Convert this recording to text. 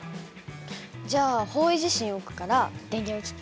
じゃあ方位磁針を置くから電源を切って。